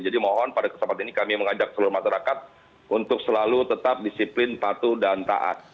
mohon pada kesempatan ini kami mengajak seluruh masyarakat untuk selalu tetap disiplin patuh dan taat